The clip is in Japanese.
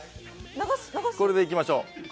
これでいきましょう。